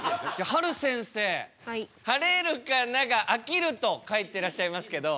「はれるかながあきる」と書いてらっしゃいますけど。